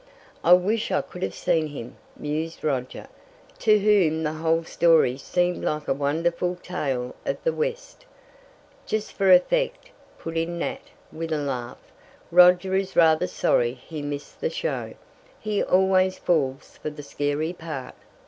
"I wish I could have seen him," mused Roger, to whom the whole story seemed like a wonderful tale of the West. "Just for effect," put in Nat, with a laugh. "Roger is rather sorry he missed the show he always falls for the scary part."